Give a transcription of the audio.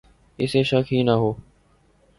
اسے شک ہی نہ ہو